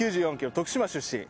徳島出身。